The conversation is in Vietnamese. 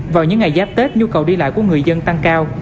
vào những ngày giáp tết nhu cầu đi lại của người dân tăng cao